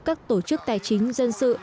các tổ chức tài chính dân sự